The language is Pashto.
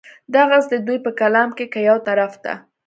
دغسې د دوي پۀ کلام کښې کۀ يو طرف ته